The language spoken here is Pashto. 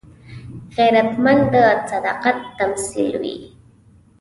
غیرتمند د صداقت تمثیل وي